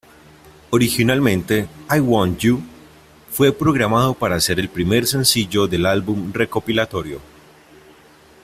Originalmente, "I Want You" fue programado para ser el primer sencillo del álbum recopilatorio.